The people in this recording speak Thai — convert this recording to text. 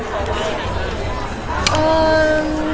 เขาโอเคไหม